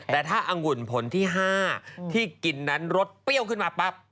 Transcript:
แต่ถ้าอังุ่นผลที่๕ที่กินนั้นรสเปรี้ยวขึ้นมาปั๊บ